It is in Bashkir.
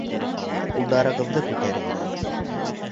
Ҡулдарығыҙҙы күтәрегеҙ